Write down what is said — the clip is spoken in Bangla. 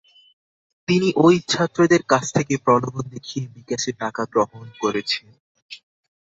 তিনি ওই ছাত্রদের কাছ থেকে প্রলোভন দেখিয়ে বিকাশে টাকা গ্রহণ করেছেন।